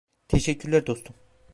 Teşekkürler dostum.